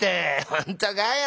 本当かよ？